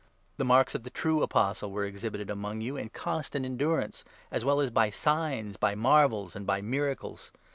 The marks 12 of the true Apostle were exhibited among you in constant endurance, as well as by signs, by marvels, and by miracles.